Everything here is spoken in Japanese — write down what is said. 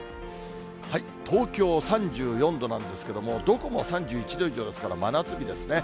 東京３４度なんですけども、どこも３１度以上ですから、真夏日ですね。